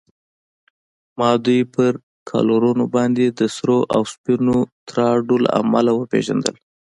ما دوی پر کالرونو باندې د سرو او سپینو ټراډو له امله و پېژندل.